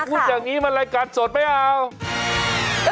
พูดอย่างนี้มันรายการสดไม่เอา